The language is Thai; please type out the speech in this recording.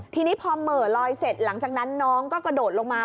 ทีนี้พอเหม่อลอยเสร็จหลังจากนั้นน้องก็กระโดดลงมา